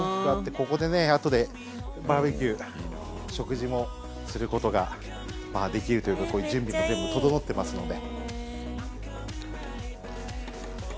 ここで、あとでバーベキュー食事もすることができるということでこういう準備も全部整ってますので。